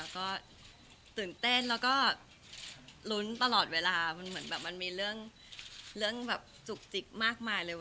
ก็ตื่นเต้นแล้วก็ลุ้นตลอดเวลามันเหมือนแบบมันมีเรื่องแบบจุกจิกมากมายเลย